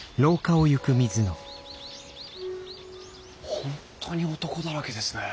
本当に男だらけですね。